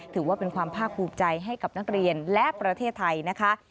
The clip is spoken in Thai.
ถือว่าเป็นความภาคภูมิใจให้กับนักเรียนและประเทศไทยนะคะ